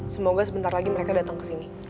semoga sebentar lagi mereka datang kesini